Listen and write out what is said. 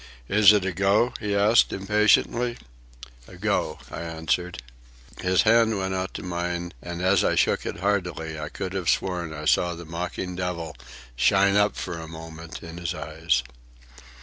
"Is it a go?" he asked impatiently. "A go," I answered. His hand went out to mine, and as I shook it heartily I could have sworn I saw the mocking devil shine up for a moment in his eyes.